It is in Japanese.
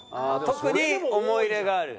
特に思い入れがある。